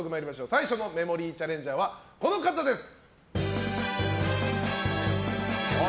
最初のメモリーチャレンジャーはこの方です。